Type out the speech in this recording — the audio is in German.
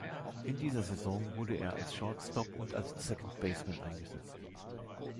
In dieser Saison wurde er als Shortstop und als Second Baseman eingesetzt.